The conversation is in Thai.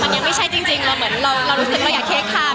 มันยังไม่ใช่จริงแล้วเรารู้สึกว่าเราอยากเทคคาร์ม